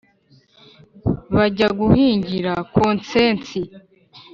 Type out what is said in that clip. Bajya guhingira Gonsensi